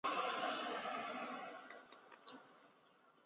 萼片宿存。